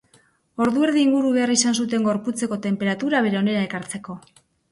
Ordu erdi inguru behar izan zuen gorputzeko tenperatura bere onera ekartzeko.